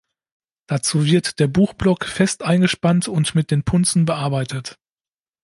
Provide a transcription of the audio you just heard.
Dazu wird der Buchblock fest eingespannt und mit den Punzen bearbeitet.